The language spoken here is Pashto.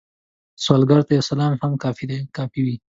سوالګر ته یو سلام هم کافی وي